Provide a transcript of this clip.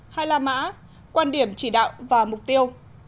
hay là mã quan điểm chỉ đạo và mục tiêu